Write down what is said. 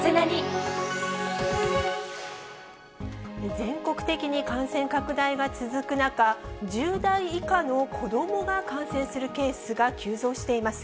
全国的に感染拡大が続く中、１０代以下の子どもが感染するケースが急増しています。